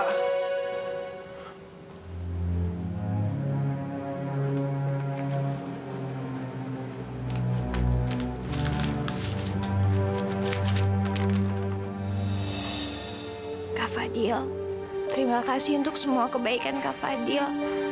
kak fadil terima kasih untuk semua kebaikan kak fadil